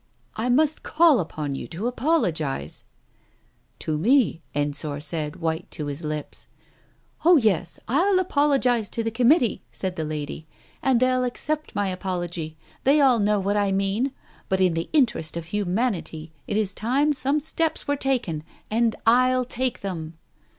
... "I must call upon you to apologize I " "To me," Ensor said, white to his lips. "Oh yes, I'll apologize to the Committee," said the lady, "and they'll accept my apology. They all know what I mean. But in the interest of Humanity, it is time some steps were taken, and I'll take them.